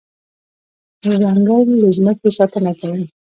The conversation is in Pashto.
ځنګل د ځمکې ساتنه کوي.